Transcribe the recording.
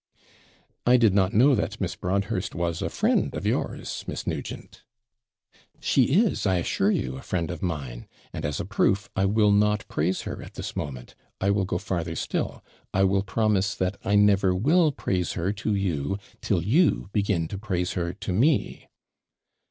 'I did not know that Miss Broadhurst was a friend of yours, Miss Nugent?' 'She is, I assure you, a friend of mine; and, as a proof, I will not praise her at this moment. I will go farther still I will promise that I never will praise her to you till you begin to praise her to me.'